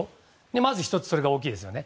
まず１つそれが大きいですね。